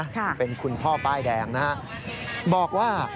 ค่ะค่ะเป็นคุณพ่อป้ายแดงนะบอกว่า